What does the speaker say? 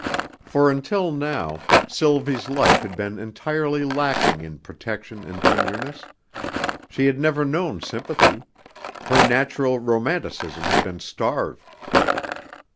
For until now Sylvie's life had been entirely lacking in protection and tenderness; she had never known sympathy her natural romanticism had been starved.